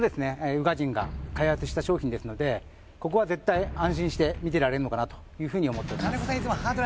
宇賀神が開発した商品ですのでここは絶対安心して見てられるのかなというふうに思っております